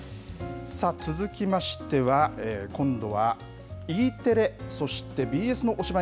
続きましては、今度はＥテレ、そしてＢＳの推しバン！